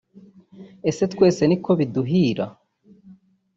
Ese twese niko biduhira